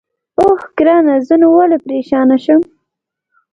اوه، ګرانه زه نو ولې پرېشانه شم؟